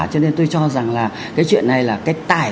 cho nên tôi cho rằng là cái chuyện này là cái tài